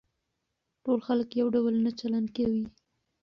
ټول خلک يو ډول نه چلن کوي.